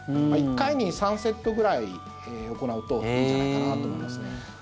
１回に３セットぐらい行うといいんじゃないかなと思います。